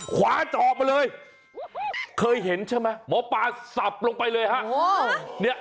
ขวาจอบมาเลยเคยเห็นใช่ไหมหมอปลาสับลงไปเลยฮะ